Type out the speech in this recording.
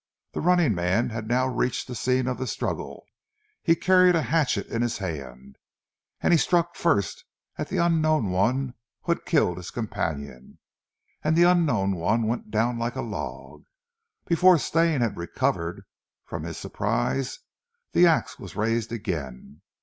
The running man had now reached the scene of the struggle. He carried a hatchet in his hand, and he struck first at the unknown one who had killed his companion, and the unknown one went down like a log. Before Stane had recovered from his surprise the ax was raised again.